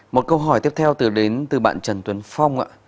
một câu hỏi tiếp theo từ bạn trần tuấn phong